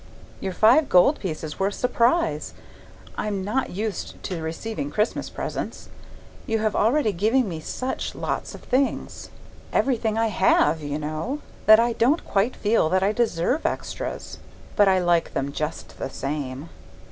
Your five gold pieces were a surprise! I'm not used to receiving Christmas presents. You have already given me such lots of things everything I have, you know that I don't quite feel that I deserve extras. But I like them just the same.